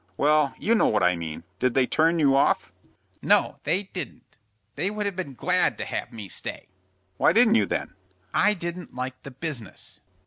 "Well, you know what I mean. Did they turn you off?" "No, they didn't. They would have been glad to have me stay." "Why didn't you then?" "I didn't like the business."